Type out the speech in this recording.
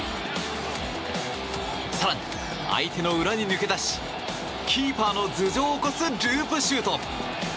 更に相手の裏に抜け出しキーパーの頭上を越すループシュート。